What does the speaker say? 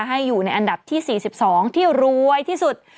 ให้อยู่ในอันดับที่๔๒ที่รวยที่สุด